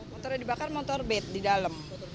motornya dibakar motor bed di dalam